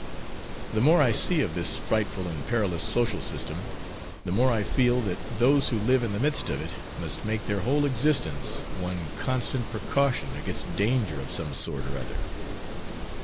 The more I see of this frightful and perilous social system, the more I feel that those who live in the midst of it must make their whole existence one constant precaution against danger of some sort or other.